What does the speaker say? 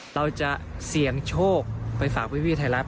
เราจะเสี่ยงโชคไปฝากพี่ไทยรัฐ